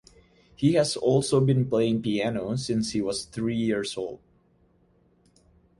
He has also been playing piano since he was three years old.